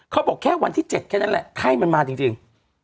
เขาบอกแค่วันที่๗แค่นั้นแหละไข้มันมาจริง